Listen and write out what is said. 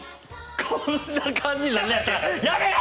こんな感じになるんやったらやめろ！